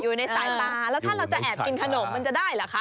อยู่ในสายตาแล้วถ้าเราจะแอบกินขนมมันจะได้เหรอคะ